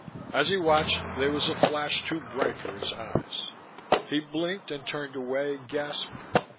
As he watched there was a flash too bright for his eyes: he blinked and turned away, gasping.